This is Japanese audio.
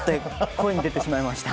声に出てしまいました。